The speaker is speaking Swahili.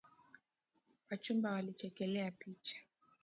Wachumba walichekelea picha.